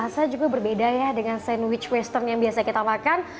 jadi rasa juga berbeda ya dengan sandwich western yang biasa kita makan